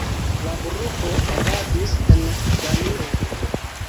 La grupo agadis en Danio.